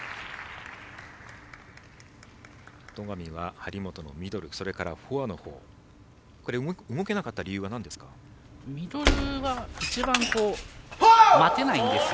戸上は張本のミドルフォアの方動けなかった理由はなんですか？